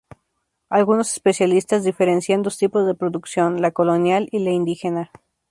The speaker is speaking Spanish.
Algunos especialistas diferencian dos tipos de producción: la colonial y la indígena.